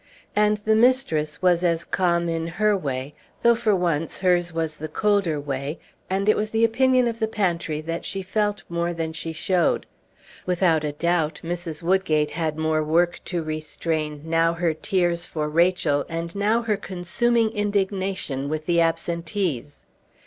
And the mistress was as calm in her way, though for once hers was the colder way, and it was the opinion of the pantry that she felt more than she showed; without a doubt Mrs. Woodgate had more work to restrain, now her tears for Rachel, and now her consuming indignation with the absentees.